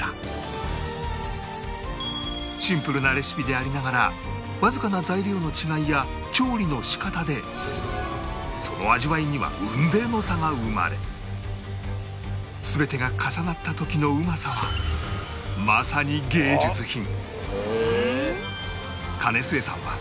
シンプルなレシピでありながらわずかな材料の違いや調理の仕方でその味わいには雲泥の差が生まれ全てが重なった時のうまさはまさに芸術品